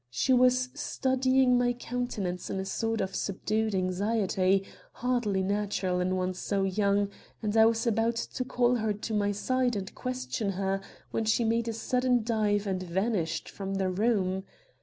She was studying my countenance in a sort of subdued anxiety, hardly natural in one so young, and I was about to call her to my side and question her when she made a sudden dive and vanished from the room.